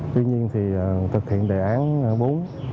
tuy nhiên thì thực hiện đề án bốn